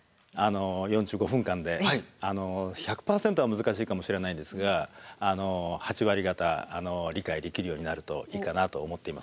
４５分間で１００％は難しいかもしれないですが８割方理解できるようになるといいかなと思っています。